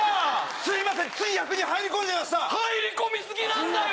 すいませんつい役に入り込んじゃいました入り込み過ぎなんだよ！